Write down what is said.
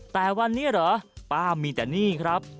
แต่วันนี้เหรอป้ามีแต่หนี้ครับ